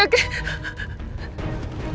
aku coba kesana sekarang